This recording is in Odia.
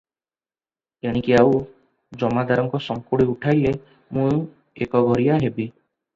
ଏଣିକି ଆଉ ଜମାଦାରଙ୍କ ସଙ୍କୁଡି ଉଠାଇଲେ ମୁଁ ଏକଘରିଆ ହେବି ।